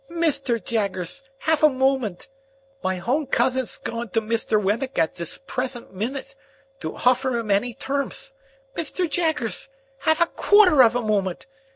"Mithter Jaggerth! Half a moment! My hown cuthen'th gone to Mithter Wemmick at thith prethent minute, to hoffer him hany termth. Mithter Jaggerth! Half a quarter of a moment!